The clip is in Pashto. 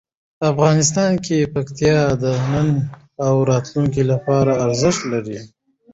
افغانستان کې پکتیا د نن او راتلونکي لپاره ارزښت لري.